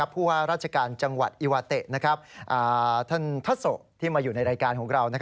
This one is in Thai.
ผู้ว่าราชการจังหวัดอิวาเตะท่านทัศที่มาอยู่ในรายการของเรา